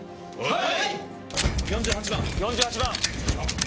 はい！